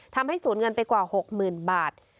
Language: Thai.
ทำให้สูญเงินไปกว่าหกหมื่นบาท